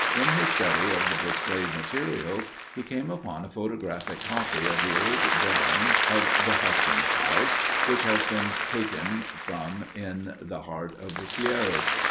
In his study of the displayed materials, he came upon a photographic copy of the old drawing of the "Hutchings House," which has been taken from In the Heart of the Sierras.